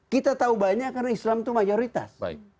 kita tahu banyak karena islam itu mayoritas